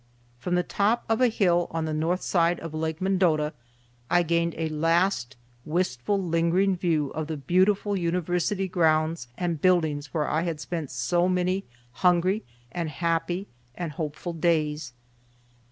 From the top of a hill on the north side of Lake Mendota I gained a last wistful, lingering view of the beautiful University grounds and buildings where I had spent so many hungry and happy and hopeful days.